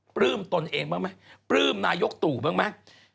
ปลื้มตนเองบ้างมั้ยปลื้มนายกตู่บ้างมั้ย